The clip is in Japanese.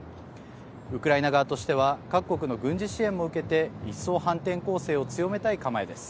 ウクライナ側としては各国の軍事支援も受けて一層、反転攻勢を強めたい構えです。